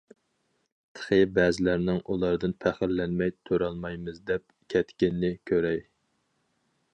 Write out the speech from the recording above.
تېخى بەزىلەرنىڭ ئۇلاردىن پەخىرلەنمەي تۇرالمايمىز دەپ كەتكىنىنى كۆرەي.